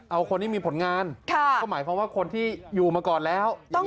เอาคนที่มีผลงานก็หมายความว่าคนที่อยู่มาก่อนแล้ว